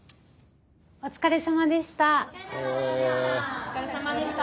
お疲れさまでした。